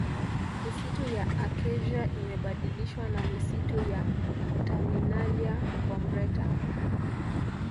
Misitu ya Acacia imebadilishwa na misitu ya Terminalia Combretum